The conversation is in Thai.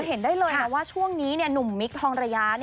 เห็นได้เลยนะว่าช่วงนี้หนุ่มมิคทองระยะ